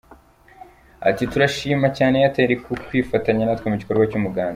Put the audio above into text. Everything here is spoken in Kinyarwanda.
Ati “Turashima cyane Airtel ku kwifatanya natwe mu gikorwa cy’Umuganda.